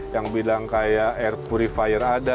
yang bilang kayak air purifier ada